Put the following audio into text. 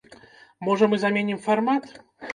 Можа, мы заменім фармат.